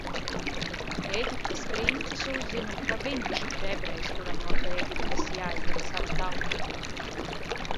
Ēģiptes princis uzzina, ka viņš ir ebrejs, kuram no Ēģiptes jāizved sava tauta.